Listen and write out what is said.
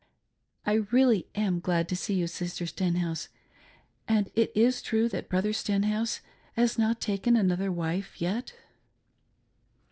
I really am glad to see you. Sister Stenhouse. And it is true that Brother Stenhouse has not taken another wife yet.'"